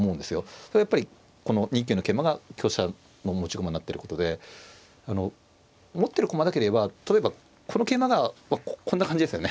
それはやっぱりこの２九の桂馬が香車の持ち駒になってることであの持ってる駒だけで言えば例えばこの桂馬がこんな感じですよね。